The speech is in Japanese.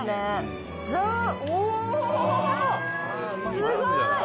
すごい！